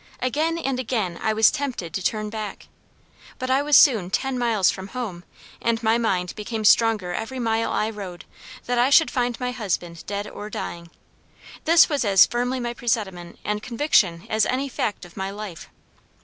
Again and again I was tempted to turn back; but I was soon ten miles from home, and my mind became stronger every mile I rode that I should find my husband dead or dying this was as firmly my presentiment and conviction as any fact of my life.